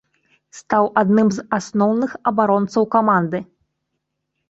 Стаў адным з асноўных абаронцаў каманды.